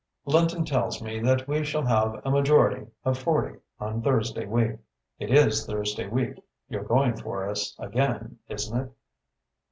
"Lenton tells me that we shall have a majority of forty on Thursday week. It is Thursday week you're going for us again, isn't it?"